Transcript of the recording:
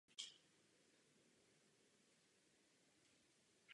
Rozhodl se vrátit do Československa.